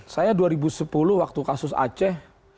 saya dua ribu sepuluh waktu kasus aceh